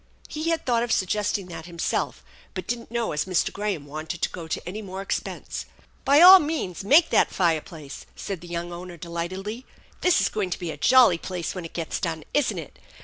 He had thought of suggesting that himself, but didn't know as Mr. Graham wanted to go to any more expense. " By all means make that fireplace !" said the young owner delightedly. " This is going to be a jolly place when it gets done, isn't it?